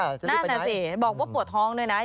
นั่นน่ะสิบอกว่าปวดท้องด้วยนะ